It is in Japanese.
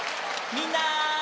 みんな！